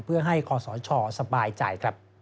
เพื่อให้คอสชสบายใจครับ